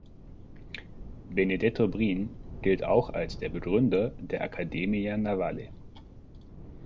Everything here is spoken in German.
Benedetto Brin gilt auch als der Begründer der Accademia Navale.